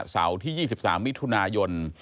เสาร์ที่๒๓มิถุนายน